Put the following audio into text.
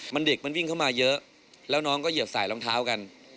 มันเด็กมันวิ่งเข้ามาเยอะแล้วน้องก็เหยียบใส่รองเท้ากัน